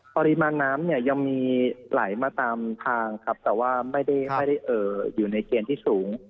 ปริมาณน้ำเนี่ยยังมีไหลมาตามทางครับแต่ว่าไม่ได้อยู่ในเกณฑ์ที่สูง